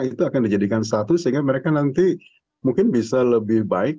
itu akan dijadikan satu sehingga mereka nanti mungkin bisa lebih baik